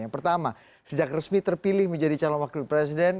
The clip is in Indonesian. yang pertama sejak resmi terpilih menjadi calon wakil presiden